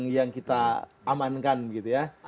yang kita amankan gitu ya